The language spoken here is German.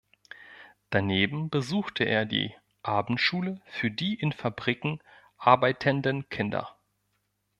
Daneben besuchte er die „Abendschule für die in Fabriken arbeitenden Kinder“.